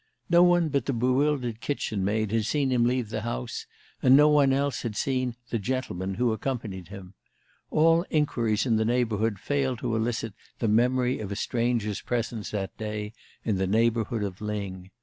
No one but the bewildered kitchen maid had seen him leave the house, and no one else had seen "the gentleman" who accompanied him. All inquiries in the neighborhood failed to elicit the memory of a stranger's presence that day in the neighborhood of Lyng.